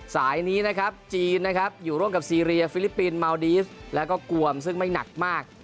สายนี้นะครับจีนอยู่ทั่วส่างกับซี่เรียฟิลิปปินส์มาวดีสส์แล้วก็กลว่ำซึ่งไม่หนักมาก